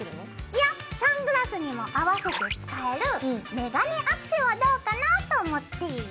いやサングラスにも合わせて使えるメガネアクセはどうかなと思って。